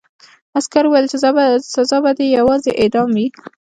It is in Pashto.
عسکر وویل چې سزا به دې یوازې اعدام وي